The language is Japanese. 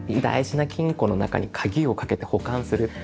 大事な金庫の中に鍵をかけて保管する。